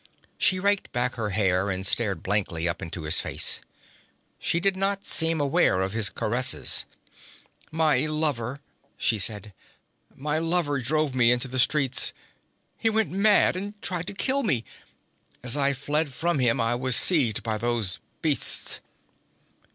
She raked back her hair and stared blankly up into his face. She did not seem aware of his caresses. 'My lover,' she said. 'My lover drove me into the streets. He went mad and tried to kill me. As I fled from him I was seized by those beasts.'